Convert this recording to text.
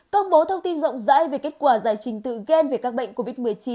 công bố thông tin rộng rãi về kết quả giải trình tự gen về các bệnh covid một mươi chín